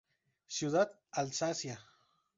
Ciudad Alsacia.